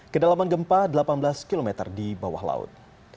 kedalaman gempa delapan belas km di bawah laut